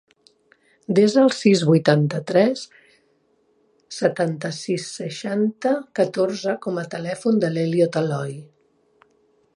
Desa el sis, vuitanta-tres, setanta-sis, seixanta, catorze com a telèfon de l'Elliot Aloy.